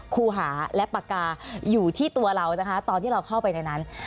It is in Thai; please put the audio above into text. ครูหาและปากกาอยู่ที่ตัวเรานะคะตอนที่เราเข้าไปในนั้น